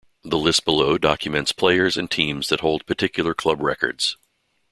The list below documents players and teams that hold particular club records.